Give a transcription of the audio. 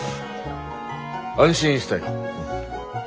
安心したよ。